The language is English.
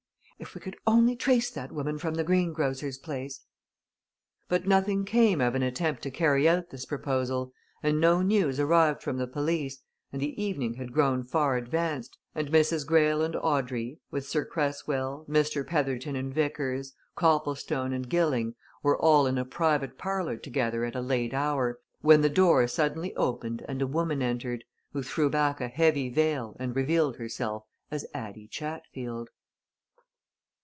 If we could only trace that woman from the greengrocer's place " But nothing came of an attempt to carry out this proposal, and no news arrived from the police, and the evening had grown far advanced, and Mrs. Greyle and Audrey, with Sir Cresswell, Mr. Petherton and Vickers, Copplestone, and Gilling, were all in a private parlour together at a late hour, when the door suddenly opened and a woman entered, who threw back a heavy veil and revealed herself as Addie Chatfield.